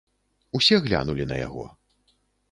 Усе глянулі на яго.